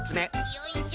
よいしょ。